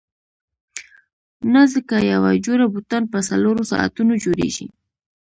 نه ځکه یوه جوړه بوټان په څلورو ساعتونو جوړیږي.